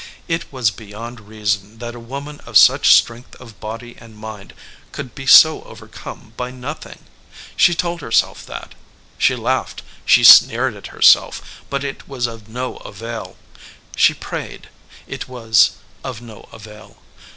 It was beyond reason 16 SARAH EDGEWATER that a woman of such strength of body and mind could be so overcome by nothing. She told her self that. She laughed, she sneered at herself, but it was of no avail. She prayed ; it was of no avail.